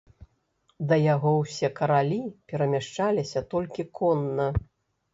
Да яго ўсе каралі перамяшчаліся толькі конна.